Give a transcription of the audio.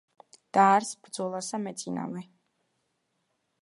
და არს ბრძოლასა მეწინავე.